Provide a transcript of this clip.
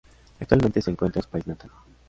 Actualmente, se encuentra en su país natal.